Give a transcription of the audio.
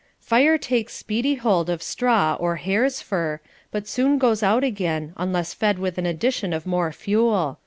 Fire takes speedy hold of straw or hare's fur, but 488 CONJUGAL PRECEPTS. soon goes out again, unless fed with an addition of more fuel.